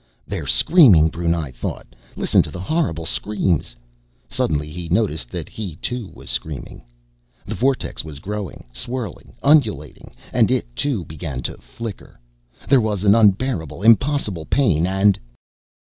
They're screaming! Brunei thought. Listen to the horrible screams! Suddenly he noticed that he, too, was screaming. The vortex was growing, swirling, undulating, and it, too, began to flicker.... There was an unbearable, impossible pain, and....